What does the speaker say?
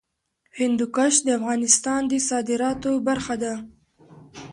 هندوکش د افغانستان د صادراتو برخه ده.